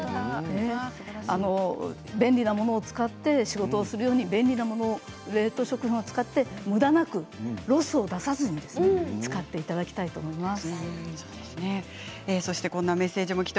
便利なものを使って仕事をするように便利なもの冷凍食品を使ってむだなくロスを出さずにメッセージです。